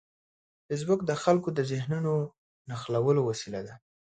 فېسبوک د خلکو د ذهنونو نښلولو وسیله ده